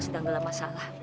sedang dalam masalah